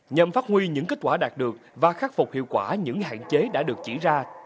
nhằm phát huy những kết quả đạt được và khắc phục hiệu quả những hạn chế đã được chỉ ra